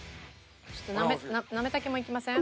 ちょっとなめたけもいきません？